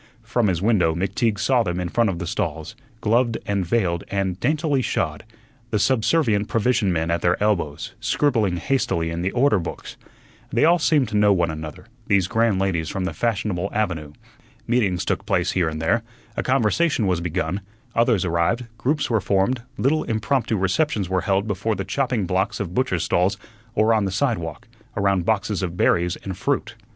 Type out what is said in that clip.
From his window McTeague saw them in front of the stalls, gloved and veiled and daintily shod, the subservient provision men at their elbows, scribbling hastily in the order books. They all seemed to know one another, these grand ladies from the fashionable avenue. Meetings took place here and there; a conversation was begun; others arrived; groups were formed; little impromptu receptions were held before the chopping blocks of butchers' stalls, or on the sidewalk, around boxes of berries and fruit.